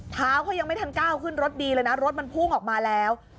เท้าเขายังไม่ทันก้าวขึ้นรถดีเลยนะรถมันพุ่งออกมาแล้ว